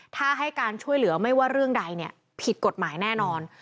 ถ้าให้การช่วยเหลือไม่ว่าเรื่องใดผิดกฎหมายแน่นอน